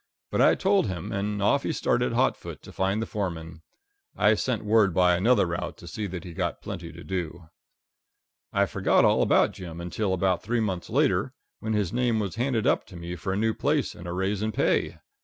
But I told him, and off he started hot foot to find the foreman. I sent word by another route to see that he got plenty to do. I forgot all about Jim until about three months later, when his name was handed up to me for a new place and a raise in pay.